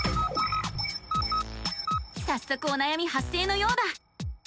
さっそくおなやみ発生のようだ！